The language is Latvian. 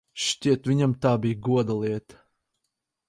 Šķiet, viņam tā bija goda lieta.